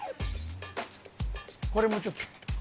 これもちょっと。